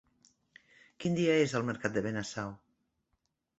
Quin dia és el mercat de Benasau?